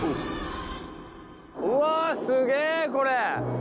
うわすげえこれ。